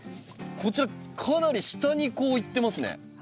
こちらかなり下にこう行ってますね。